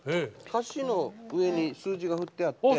歌詞の上に数字が振ってあって。